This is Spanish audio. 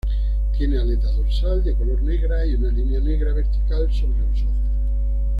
Tiene aleta dorsal de color negra y una línea negra vertical sobre los ojos.